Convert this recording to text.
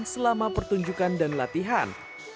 selama pertunjukan dan latihan